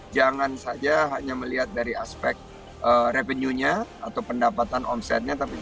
jangan saja hanya melihat dari aspek revenue nya atau pendapatan omsetnya